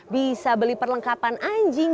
bisa beli perlengkapan anjing